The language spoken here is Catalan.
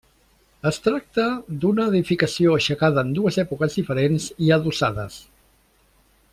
Es tracta d'una edificació aixecada en dues èpoques diferents i adossades.